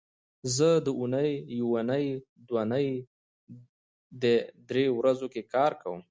زه د اونۍ یونۍ او دونۍ دې درې ورځو کې کار کوم